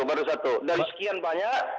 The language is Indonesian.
dari sekian banyak